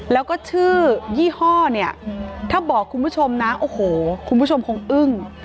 แล้วก็ชื่อยี่ห้อเนี่ยถ้าบอกคุณผู้ชมนะโอ้โหคุณผู้ชมคงอึ้ง